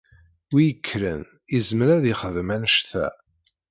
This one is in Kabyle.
Wi ikkren izmer ad yexdem annect-a.